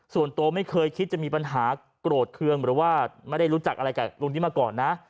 ส่วนตัวไม่เคยคิดจะมีปัญหาโกรธเครื่องหรือว่าไม่ได้รู้จักอะไรกับลุงนี้มาก่อนนะ